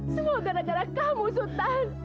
semua gara gara kamu sultan